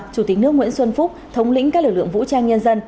chủ tịch nước nguyễn xuân phúc thống lĩnh các lực lượng vũ trang nhân dân